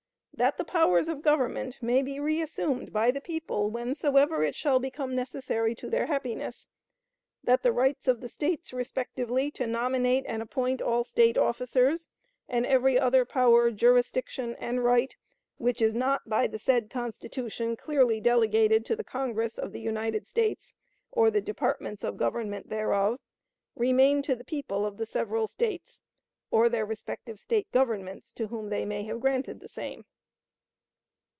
That the powers of government may be reassumed by the people whensoever it shall become necessary to their happiness. That the rights of the States respectively to nominate and appoint all State officers, and every other power, jurisdiction, and right, which is not by the said Constitution clearly delegated to the Congress of the United States, or the departments of Government thereof, remain to the people of the several States, or their respective State governments to whom they may have granted the same."